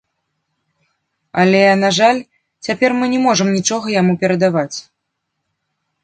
Але, на жаль, цяпер мы не можам нічога яму перадаваць.